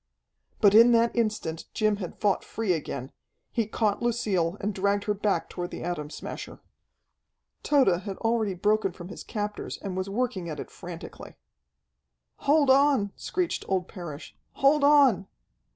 But in that instant Jim had fought free again. He caught Lucille and dragged her back toward the Atom Smasher. Tode had already broken from his captors and was working at it frantically. "Hold on!" screeched old Parrish. "Hold on!"